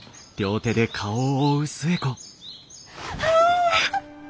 ああ！